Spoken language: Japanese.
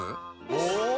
お！